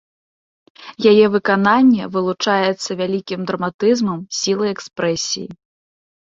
Яе выкананне вылучаецца вялікім драматызмам, сілай экспрэсіі.